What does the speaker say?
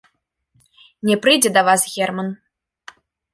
Не прыйдзе да вас герман.